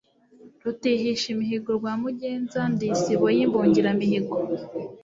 Rutihishimihigo rwa MugenzaNdi isibo y' imbungiramihigo